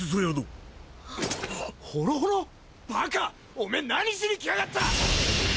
オメエ何しに来やがった！